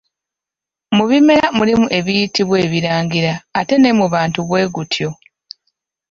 Mu bimera mulimu ebiyitibwa ebirangira ate ne mu bantu bwe gutyo.